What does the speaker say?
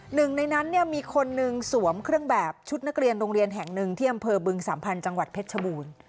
หนึ่งในนั้นเนี่ยมีคนหนึ่งสวมเครื่องแบบชุดนักเรียนโรงเรียนแห่งหนึ่งที่อำเภอบึงสัมพันธ์จังหวัดเพชรชบูรณ์